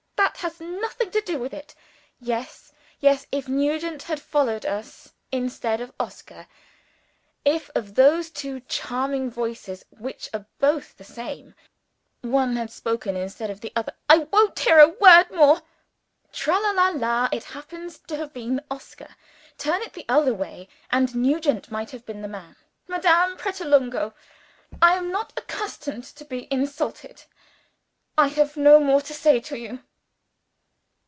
"That has nothing to do with it." "Yes! yes! If Nugent had followed us, instead of Oscar; if, of those two charming voices which are both the same, one had spoken instead of the other " "I won't hear a word more!" "Tra la la la! It happens to have been Oscar. Turn it the other way and Nugent might have been the man. "Madame Pratolungo, I am not accustomed to be insulted! I have no more to say to you."